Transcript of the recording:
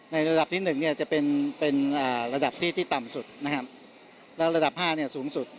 ในระดับที่๑จะเป็นระดับที่ต่ำสุดและระดับ๕สูงสุด